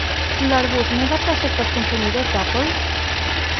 L'arbust més apreciat pels consumidors d'Apple, .